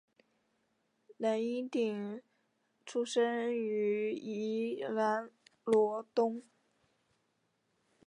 蓝荫鼎出生于宜兰罗东